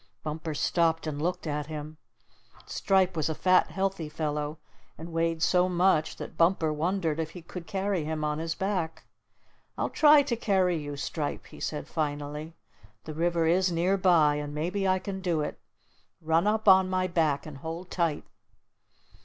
Bumper stopped and looked at him. Stripe was a fat, healthy fellow, and weighed so much that Bumper wondered if he could carry him on his back. "I'll try to carry you, Stripe," he said finally. "The river is nearby, and maybe I can do it. Run up on my back, and hold tight."